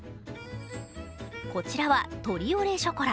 こちらはトリオレショコラ。